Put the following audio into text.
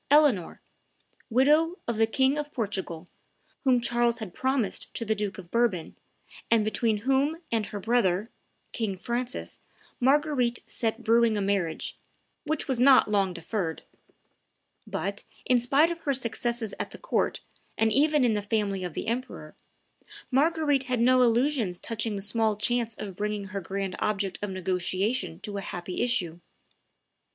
Eleanor, widow of the King of Portugal, whom Charles had promised to the Duke of Bourbon, and between whom and her brother, King Francis, Marguerite set brewing a marriage, which was not long deferred. But, in spite of her successes at the court, and even in the family of the emperor, Marguerite had no illusions touching the small chance of bringing her grand object of negotiation to a happy issue.